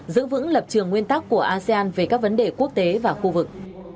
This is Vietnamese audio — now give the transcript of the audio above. giữ vững lập trường nguyên tắc của asean về các vấn đề quốc tế và khu vực